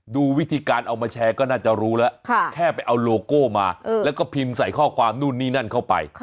ดูวิธีการเอามาแชร์ก็น่าจะรู้แล้วแค่ไปเอาโลโก้มาแล้วก็พิมพ์ใส่ข้อความนู่นนี่นั่นเข้าไป